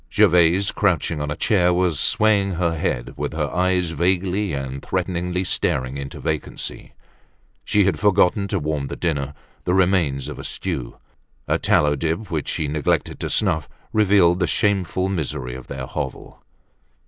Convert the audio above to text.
Gervaise, crouching on a chair was swaying her head, with her eyes vaguely and threateningly staring into vacancy. She had forgotten to warm the dinner, the remains of a stew. A tallow dip which she neglected to snuff revealed the shameful misery of their hovel.